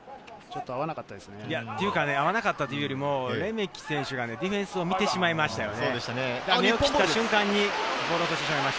合わなかったというよりレメキ選手がディフェンスを見てしまいましたね。